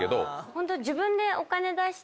ホント。